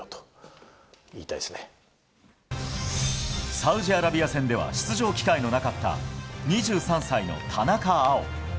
サウジアラビア戦では出場機会のなかった２３歳の田中碧。